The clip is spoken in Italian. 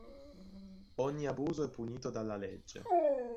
Ogni abuso è punito dalla legge.